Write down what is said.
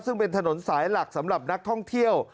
ซึ่งเป็นถนนสายหลักสำหรับนักท่องเที่ยว